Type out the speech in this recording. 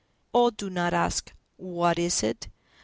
Oh, do not ask, "What is it?"